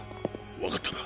分かったな。